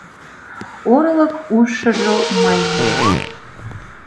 Орлык ужшыжо мый лийым.